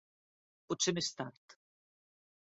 Potser més tard.